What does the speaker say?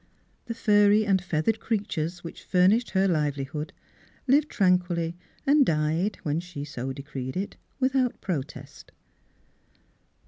The furry and feathered creatures which fur nished her livelihood lived tranquilly and died (when she so decreed it) without pro test.